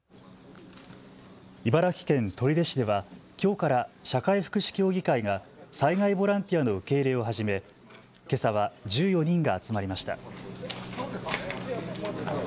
茨城県取手市ではきょうから社会福祉協議会が災害ボランティアの受け入れを始めけさは１４人が集まりました。